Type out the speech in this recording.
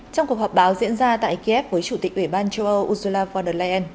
trong cuộc họp báo diễn ra tại kiev với chủ tịch ủy ban châu âu ursula von der leyen